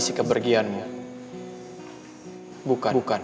dan harimu berakhir karena takdir tuhan